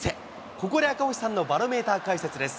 ここで赤星さんのバロメーター解説です。